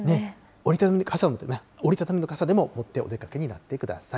折り畳みの傘でも持ってお出かけになってください。